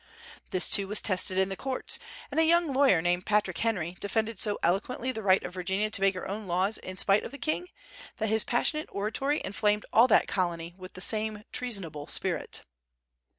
This too was tested in the courts, and a young lawyer named Patrick Henry defended so eloquently the right of Virginia to make her own laws in spite of the king, that his passionate oratory inflamed all that colony with the same "treasonable" spirit.